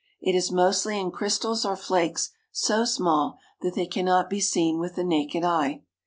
It is mostly in crystals or flakes so small that they can not be seen with the naked eye.